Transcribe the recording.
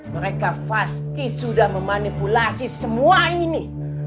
mereka pasti sudah memanipulasi semua ini